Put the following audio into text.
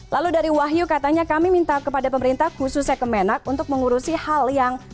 lalu dari wahyu katanya kami minta kepada pemerintah khususnya kemenak untuk mengurusi hal yang